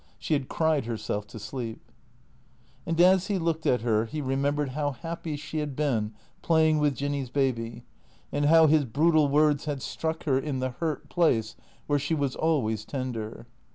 She had cried herself to sleep. And as he looked at her he remembered how happy she had been playing with Jinny's baby; and how his brutal words had struck her in the hurt place where she was always tender.